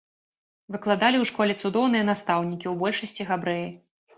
Выкладалі ў школе цудоўныя настаўнікі, у большасці габрэі.